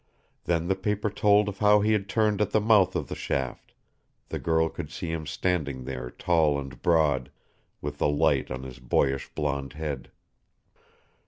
Then the paper told of how he had turned at the mouth of the shaft the girl could see him standing there tall and broad, with the light on his boyish blond head.